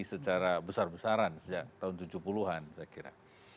secara besar besaran sejak tahun tujuh puluh an saya kira